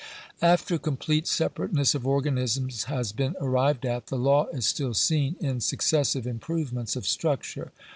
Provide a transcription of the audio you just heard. After complete separateness of organisms has been arrived at, the law is still seen in successive improvements of structure.